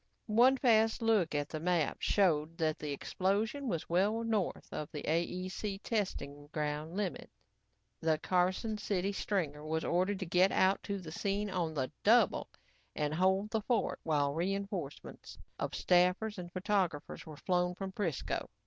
One fast look at the map showed that the explosion was well north of the AEC testing ground limits. The Carson City stringer was ordered to get out to the scene on the double and hold the fort while reinforcements of staffers and photographers were flown from 'Frisco.